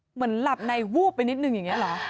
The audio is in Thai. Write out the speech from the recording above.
เหมือนหลับในวูบไปนิดนึงอย่างนี้เหรอ